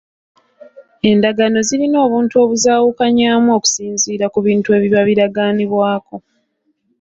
Endagaano zirina obuntu obuzaawukanyaamu okusinziira ku bintu ebiba biragaanibwako.